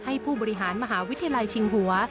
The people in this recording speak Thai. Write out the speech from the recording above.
ผู้บริหารมหาวิทยาลัยชิงหัว